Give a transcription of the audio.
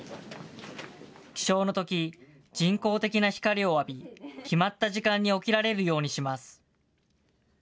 起床のとき、人工的な光を浴び、決まった時間に起きられるようにします。